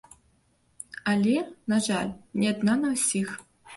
Але, на жаль, не адна на ўсіх.